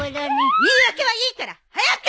言い訳はいいから早く！